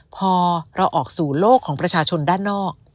พอเราออกสู่โลกของประชาชนด้านนอก